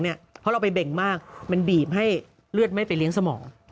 เพราะเราไปเบ่งมากมันบีบให้เลือดไม่ไปเลี้ยงสมอง